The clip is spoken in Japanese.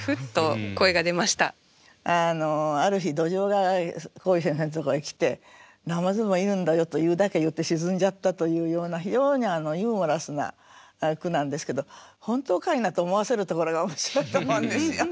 ある日ドジョウが耕衣先生のところへ来て「ナマズもいるんだよ」と言うだけ言って沈んじゃったというような非常にユーモラスな句なんですけど本当かいなと思わせるところが面白いと思うんですよ。